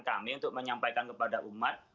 kami untuk menyampaikan kepada umat